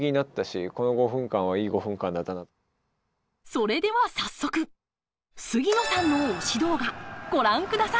それでは早速杉野さんの推し動画ご覧ください！